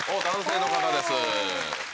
男性の方です。